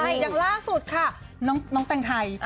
อย่างล่าสุดค่ะน้องแต่งไทย